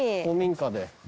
古民家で。